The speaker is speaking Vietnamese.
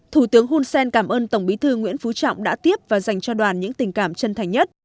thủ tướng hun sen cảm ơn tổng bí thư nguyễn phú trọng đã tiếp và dành cho đoàn những tình cảm chân thành nhất